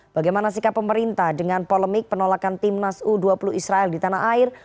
bagaimana sikap pemerintah dengan polemik penolakan timnas u dua puluh israel di tanah air